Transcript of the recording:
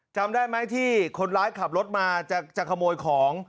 จำได้ไหมที่คนร้ายขับรถมาจะขโมยของ